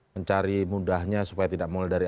mencari mudahnya supaya tidak mulai dari